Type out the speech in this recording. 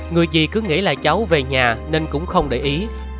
người gì cứ nghĩ là cháu về nhà nên cũng không để ý